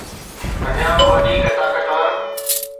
اڃا به وڌيڪ طاقتور